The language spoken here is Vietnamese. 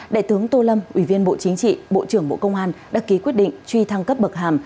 đại tướng tô lâm ủy viên bộ chính trị bộ trưởng bộ công an đã ký quyết định truy thăng cấp bậc hàm